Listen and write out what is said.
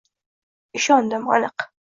Ishondim. aniq —